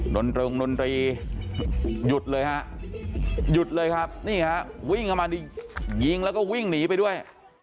นนเริงนตรีหยุดเลยฮะหยุดเลยครับนี่ฮะวิ่งเข้ามายิงแล้วก็วิ่งหนีไปด้วย